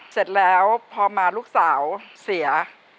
เสร็จแล้วพอมาลูกสาวเสีย